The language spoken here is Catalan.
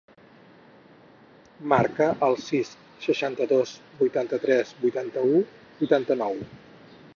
Marca el sis, seixanta-dos, vuitanta-tres, vuitanta-u, vuitanta-nou.